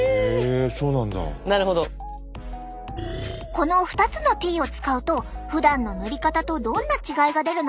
この２つのＴを使うとふだんの塗り方とどんな違いが出るのか。